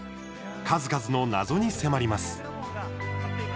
数々の謎に迫ります。